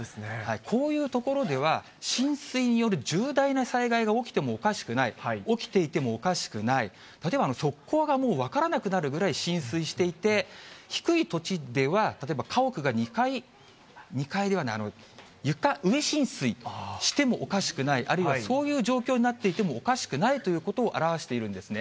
こういう所では、浸水による重大な災害が起きてもおかしくない、起きていてもおかしくない、例えば側溝がもう分からなくなるぐらい、浸水していて、低い土地では、例えば家屋が２階、２階ではない、床上浸水してもおかしくない、あるいはそういう状況になっていてもおかしくないということを表しているんですね。